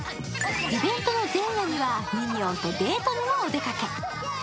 イベントの前夜にはミニオンとデートにもお出かけ。